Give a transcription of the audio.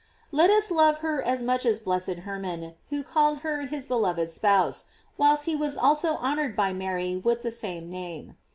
Let us love her as much as blessed Hermann, who called her his beloved spouse, whilst he also was honored by Mary with the same name.